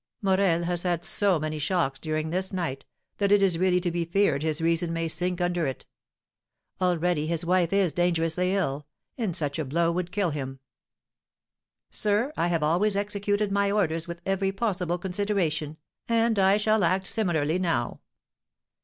Morel has had so many shocks during this night that it is really to be feared his reason may sink under it; already his wife is dangerously ill, and such a blow would kill him." "Sir, I have always executed my orders with every possible consideration, and I shall act similarly now."